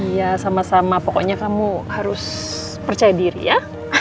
iya sama sama pokoknya kamu harus percaya diri ya